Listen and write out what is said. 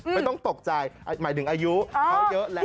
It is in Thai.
ไม่ต้องตกใจหมายถึงอายุเขาเยอะแล้ว